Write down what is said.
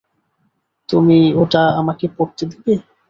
তুমি ওটা আমাকে পরতে দিবে?